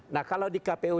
nah kalau di kpu